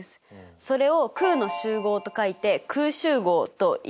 それを空の集合と書いて空集合といいますよ。